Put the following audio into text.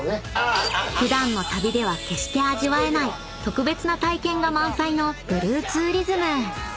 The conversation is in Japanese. ［普段の旅では決して味わえない特別な体験が満載のブルーツーリズム］